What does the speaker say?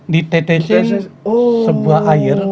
ditetesin sebuah air